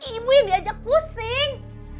ibu yang diajak pusing